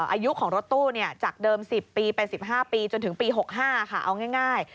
อายุของรถตู้จากเดิม๑๐ปีเป็น๑๕ปีจนถึงปี๖๕ค่ะเอาง่าย